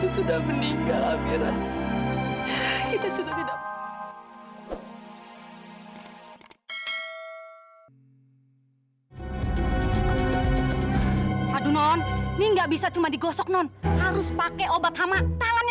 sampai jumpa di video selanjutnya